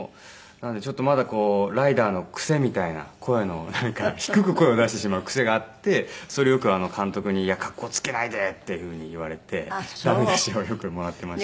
なのでちょっとまだ『ライダー』の癖みたいな声のなんか低く声を出してしまう癖があってそれよく監督に「いやかっこつけないで」っていうふうに言われて駄目出しをよくもらっていました。